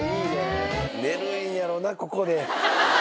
寝るんやろな、ここで。